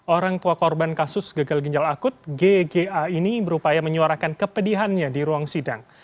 orang tua korban kasus gagal ginjal akut gga ini berupaya menyuarakan kepedihannya di ruang sidang